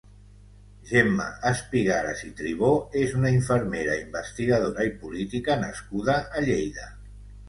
Gemma Espigares i Tribó és una infermera, investigadora i política nascuda a Lleida.